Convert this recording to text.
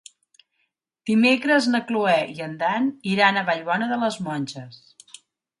Dimecres na Cloè i en Dan iran a Vallbona de les Monges.